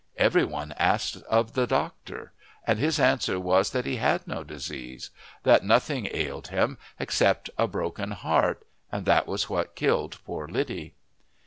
every one asked of the doctor; and his answer was that he had no disease that nothing ailed him except a broken heart; and that was what killed poor Liddy.